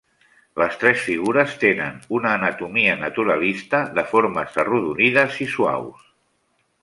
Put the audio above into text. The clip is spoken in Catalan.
Les tres figures tenen una anatomia naturalista, de formes arrodonides i suaus.